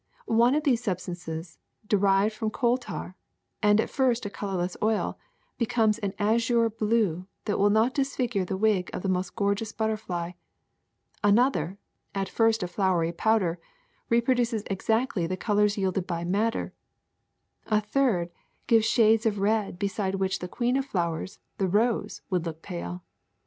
One of these substances derived from coal tar, and at first a colorless oil, becomes an azure blue that would not disfigure the wing of the most gorgeous butterfly; another, at first a floury powder, reproduces exactly the colors yielded by madder ; a third gives shades of red beside which the queen of flowers, the rose, would look pale.